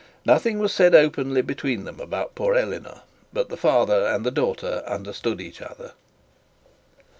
Nothing was said openly between them about poor Eleanor: but the father and the daughter understood each other.